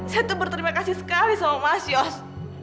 saya sudah berterima kasih sekali sama mas yus